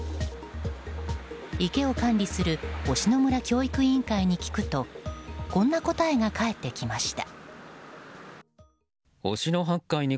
池を管理する忍野村教育委員会に聞くとこんな答えが返ってきました。